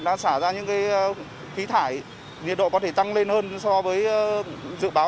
đã xả ra những khí thải nhiệt độ có thể tăng lên hơn so với dự báo